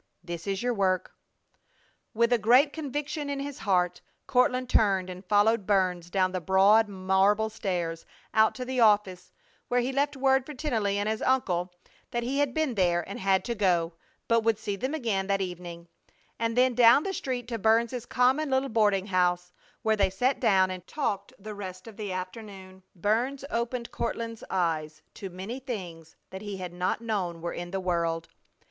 This is your work!" With a great conviction in his heart Courtland turned and followed Burns down the broad marble stairs out to the office, where he left word for Tennelly and his uncle that he had been there and had to go, but would see them again that evening, and then down the street to Burns's common little boarding house, where they sat down and talked the rest of the afternoon. Burns opened Courtland's eyes to many things that he had not known were in the world.